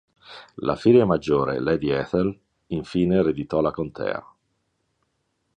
La figlia maggiore, Lady Ethel, infine ereditò la contea.